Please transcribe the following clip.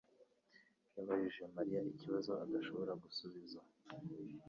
yabajije Mariya ikibazo adashobora gusubiza.